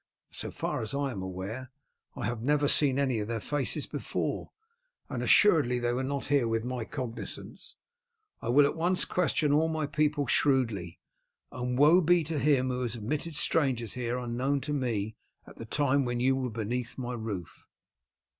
"So far as I am aware I have never seen any of their faces before, and assuredly they were not here with my cognizance. I will at once question all my people shrewdly, and woe be to him who has admitted strangers here unknown to me at the time when you were beneath my roof."